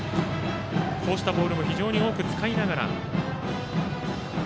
こうしたボールを非常に多く使いながら。